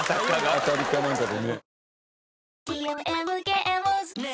当たりかなんかでね。